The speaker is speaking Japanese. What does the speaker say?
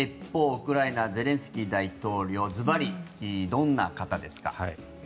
ウクライナ、ゼレンスキー大統領ずばり、どんな方ですか？